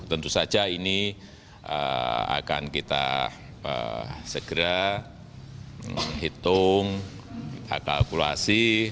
tentu saja ini akan kita segera hitung kita kalkulasi